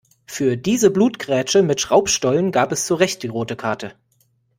Für diese Blutgrätsche mit Schraubstollen gab es zurecht die rote Karte.